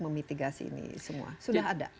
memitigasi ini semua sudah ada